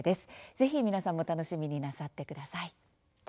ぜひ、皆さんもお楽しみになさってください。